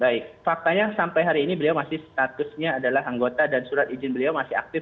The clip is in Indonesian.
baik faktanya sampai hari ini beliau masih statusnya adalah anggota dan surat izin beliau masih aktif